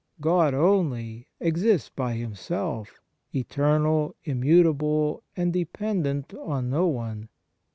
God only exists by Himself eternal, immutable, and dependent on no one.